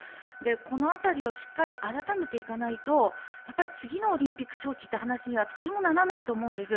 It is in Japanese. この辺りをしっかり改めていかないと次のオリンピック招致って話にはとてもならないと思うんです。